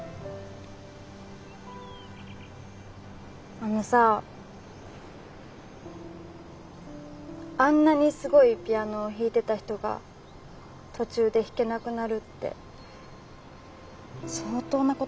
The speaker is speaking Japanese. あのさあんなにすごいピアノを弾いてた人が途中で弾けなくなるって相当なことだと思うの。